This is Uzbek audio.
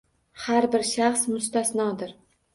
Har bir Shaxs – mustasnodir.